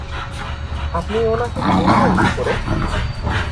আপনি ওনাকে চিনলেন কি কোরে?